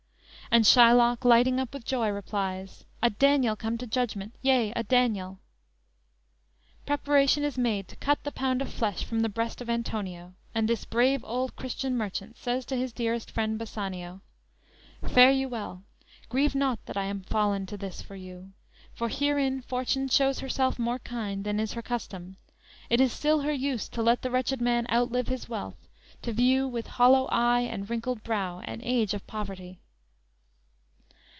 "_ And Shylock, lighting up with joy, replies: "A Daniel come to judgment! yea, a Daniel!" Preparation is made to cut the pound of flesh from the breast of Antonio; and this brave old Christian merchant says to his dearest friend, Bassanio: _"Fare you well! Grieve not that I am fallen to this for you; For herein fortune shows herself more kind Than is her custom; it is still her use To let the wretched man outlive his wealth, To view with hollow eye and wrinkled brow, An age of poverty."